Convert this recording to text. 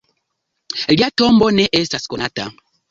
Lia tombo ne estas konata.